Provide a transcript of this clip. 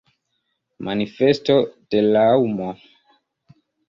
Manifesto de Raŭmo?